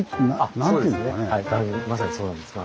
まさにそうなんですが。